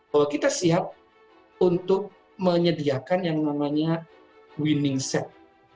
bahwa kita siap untuk menyediakan yang namanya winning set